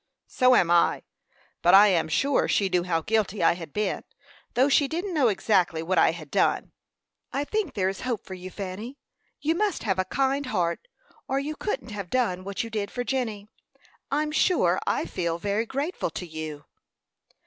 "So am I; but I am sure she knew how guilty I had been, though she didn't know exactly what I had done." "I think there is hope for you, Fanny. You must have a kind heart, or you couldn't have done what you did for Jenny. I'm sure I feel very grateful to you."